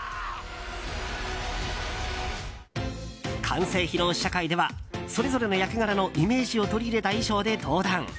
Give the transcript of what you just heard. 完成披露試写会ではそれぞれの役柄のイメージを取り入れた衣装で登壇。